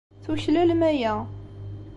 Tuklalem aya.